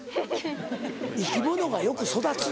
生き物がよく育つ？